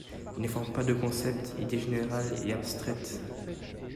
Il ne forme pas de concepts, idées générales et abstraites.